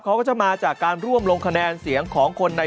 เขาก็จะมาจากการร่วมลงคะแนนเสียงของคนใน